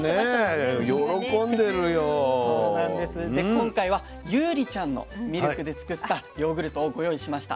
今回はユウリちゃんのミルクで作ったヨーグルトをご用意しました。